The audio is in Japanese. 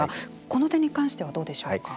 この点に関してはどうでしょうか。